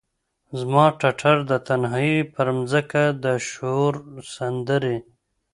زما د ټټر د تنهایې پرمځکه د شور سندرې،